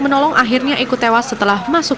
menolong akhirnya ikut tewas setelah masuk